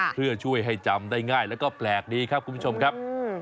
เพื่อช่วยให้จำได้ง่ายแล้วก็แปลกดีครับคุณผู้ชมครับ